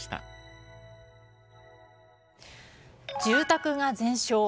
住宅が全焼。